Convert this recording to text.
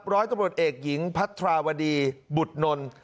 ร้อยตำรวจเอกหญิงพัทราวดีบุตรนนท์